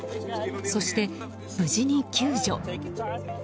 そして、無事に救助。